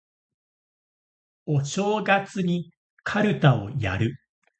お正月にかるたをやる